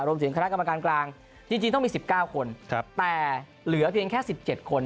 รวมถึงคณะกรรมการกลางจริงต้องมีสิบเก้าคนแต่เหลือเพียงแค่สิบเจ็ดคน